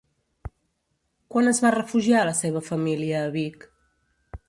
Quan es va refugiar la seva família a Vic?